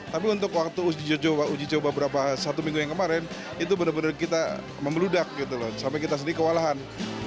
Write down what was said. tapi untuk waktu uji coba satu minggu yang kemarin itu benar benar kita membeludak gitu loh sampai kita sendiri kewalahan